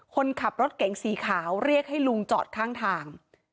คนขับรถเก๋งสีขาวเรียกให้ลุงจอดข้างทาง